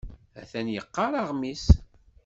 Atan yeqqar aɣmis.